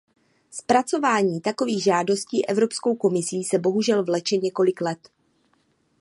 Zpracování takových žádostí Evropskou komisí se bohužel vleče několik let.